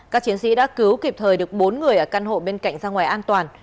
các chiến sĩ đã cứu kịp thời được bốn người ở căn hộ bên cạnh ra ngoài an toàn